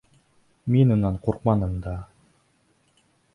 Мин унан ҡурҡманым да.